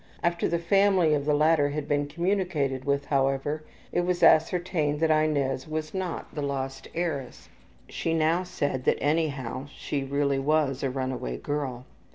After the family of the latter had been communicated with, however, it was ascertained that Inez was not the lost heiress. She now said that anyhow she really was a runaway girl.